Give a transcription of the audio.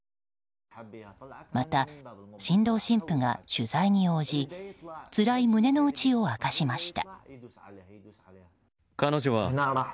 また、新郎・新婦が取材に応じつらい胸の内を明かしました。